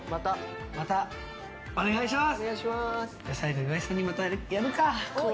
またお願いします。